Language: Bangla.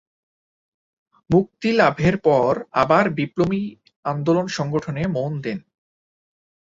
মুক্তিলাভের পর আবার বিপ্লবী আন্দোলন সংগঠনে মন দেন।